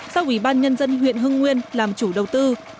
do ủy ban nhân dân huyện hưng nguyên làm chủ đầu tư